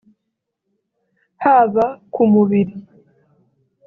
haba ku mubiri